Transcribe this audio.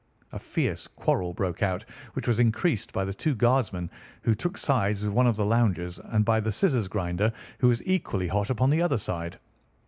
A fierce quarrel broke out, which was increased by the two guardsmen, who took sides with one of the loungers, and by the scissors grinder, who was equally hot upon the other side.